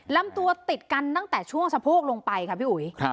ลำตัวติดกันตั้งแต่ช่วงสะโพกลงไปค่ะพี่อุ๋ย